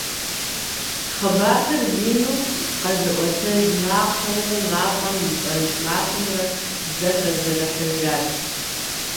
Хъыбархэр ину къэзыӀуэтэж макъхэмрэ мафӀэм и пӀэнкӀ макъымрэ зэхэзэрыхьыжат.